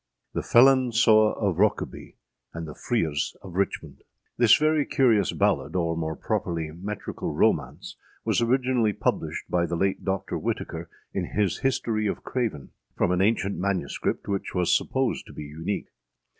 THE FELON SEWE OF ROKEBY AND THE FREERES OF RICHMOND. [THIS very curious ballad, or, more properly, metrical romance, was originally published by the late Doctor Whitaker in his History of Craven, from an ancient MS., which was supposed to be unique.